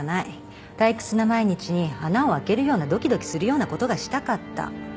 退屈な毎日に穴をあけるようなドキドキするようなことがしたかった。